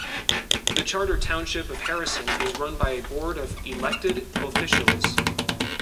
The Charter Township of Harrison is run by a board of elected officials.